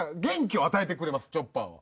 チョッパーは。